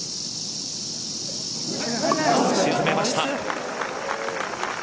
沈めました。